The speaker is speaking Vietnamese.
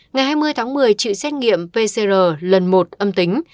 ngày hai mươi tháng một mươi chịu xét nghiệm pcr lần một âm tính